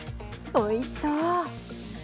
おいしそう。